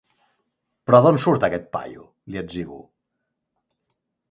Però d'on surt aquest paio? —li etzibo.